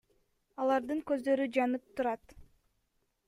Алардын көздөрү жанып турат.